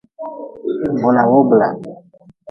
Bula wo bula.